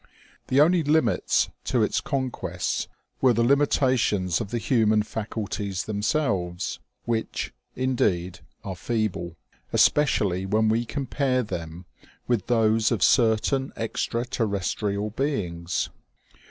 The only limits to its conquests were the limitations of the human faculties themselves, which, indeed, are feeble, especially when we compare them with those of certain extra terrestrial beings.